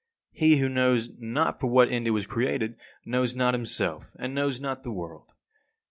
He who knows not for what end it was created, knows not himself and knows not the world.